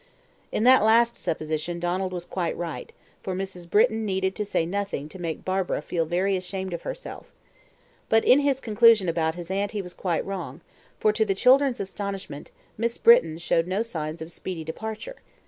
In that last supposition Donald was quite right, for Mrs. Britton needed to say nothing to make Barbara feel very much ashamed of herself. But in his conclusion about his aunt he was quite wrong, for, to the children's astonishment, Miss Britton showed no signs of speedy departure.